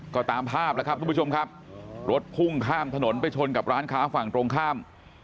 ก็ตามภาพแล้วครับทุกผู้ชมครับรถพุ่งข้ามถนนไปชนกับร้านค้าฝั่งตรงข้าม